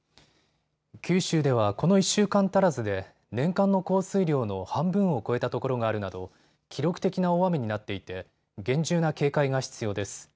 九州ではこの１週間足らずで年間の降水量の半分を超えたところがあるなど記録的な大雨になっていて厳重な警戒が必要です。